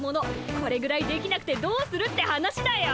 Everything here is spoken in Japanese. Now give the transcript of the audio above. これぐらいできなくてどうするって話だよ。